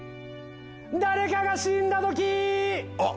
誰かが死んだ時あっ！